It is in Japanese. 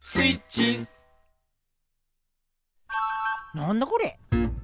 なんだこれ？